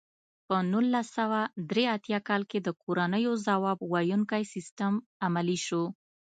په نولس سوه درې اتیا کال کې د کورنیو ځواب ویونکی سیستم عملي شو.